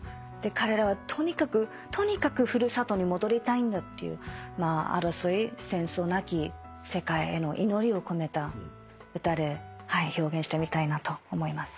彼らはとにかくとにかく古里に戻りたいんだっていう争い戦争なき世界への祈りを込めた歌で表現してみたいなと思います。